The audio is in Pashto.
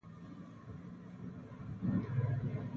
دوهم لېبرالي اپشن احترام ورکړل دي.